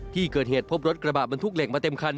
ที่เกิดเหตุพบรถกระบะบรรทุกเหล็กมาเต็มคัน